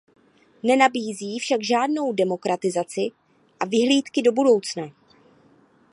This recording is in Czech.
Nenabízí však žádnou demokratizaci a vyhlídky do budoucna.